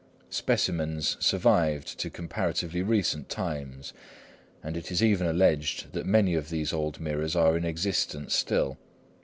Specimens survived to comparatively recent times, and it is even alleged that many of these old mirrors are in existence still.